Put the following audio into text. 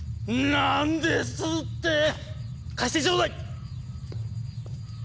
なんですって⁉貸してちょうだい！